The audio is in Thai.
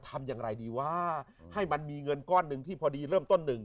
ทำอย่างไรดีวะให้มันมีเงินก้อนหนึ่งที่พอดีเริ่มต้นหนึ่ง